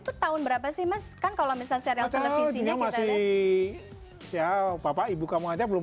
tuh tahun berapa sih mas kan kalau misal serial televisinya masih ya papa ibu kamu aja belum